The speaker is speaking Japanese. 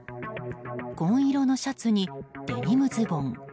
紺色のシャツにデニムズボン。